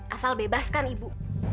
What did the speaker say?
asal bebas kan ibu